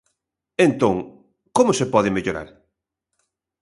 Entón, ¿como se pode mellorar?